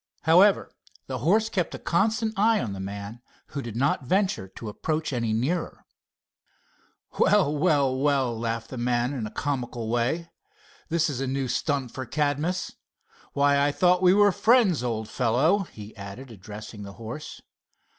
However, the horse kept a constant eye on the man, who did not venture to approach any nearer. "Well, well, well," laughed the man in a comical way, "this is a new stunt for Cadmus. Why, I thought we were friends, old fellow," he added, addressing the horse.